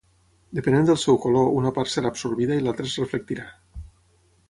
Depenent del seu color una part serà absorbida i l'altra es reflectirà.